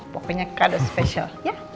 pokoknya kado spesial